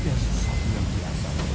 ini juga sesuatu yang biasa